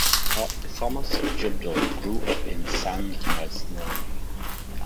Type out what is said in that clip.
Thomas Dybdahl grew up in Sandnes, Norway.